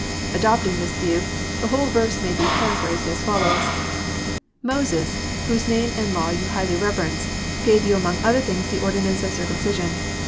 Adopting this view, the whole verse may be paraphrased as follows :—" Moses, whose name and law you highly reverence, gave you among other things the ordinance of circumcision.